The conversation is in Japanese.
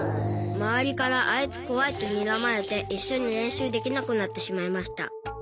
周りからあいつ怖いとにらまれて一緒に練習できなくなってしまいました。